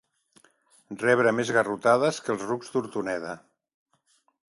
Rebre més garrotades que els rucs d'Hortoneda.